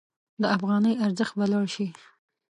د افغانۍ ارزښت به لوړ شي.